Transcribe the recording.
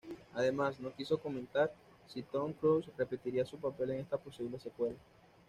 Además, no quiso comentar si Tom Cruise repetiría su papel en esta posible secuela.